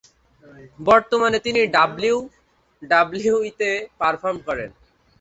বর্তমানে তিনি ডাব্লিউডাব্লিউইতে পারফর্ম করেন।